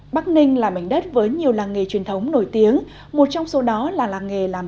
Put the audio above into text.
bắc ninh là mảnh đất với nhiều làng nghề truyền thống nổi tiếng một trong số đó là làng nghề làm